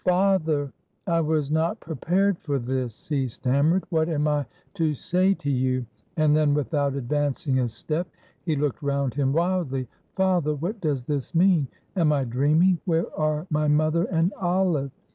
"Father, I was not prepared for this," he stammered; "what am I to say to you?" And then, without advancing a step, he looked round him wildly. "Father, what does this mean am I dreaming where are my mother and Olive?"